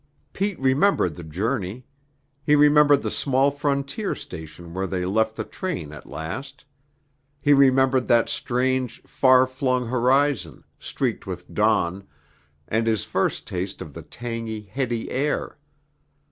Pete remembered the journey. He remembered the small frontier station where they left the train at last. He remembered that strange, far flung horizon, streaked with dawn, and his first taste of the tangy, heady air.